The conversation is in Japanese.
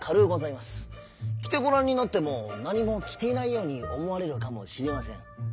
きてごらんになってもなにもきていないようにおもわれるかもしれません。